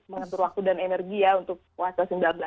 mengatur waktu dan energi ya untuk puasa sembilan belas jamnya gitu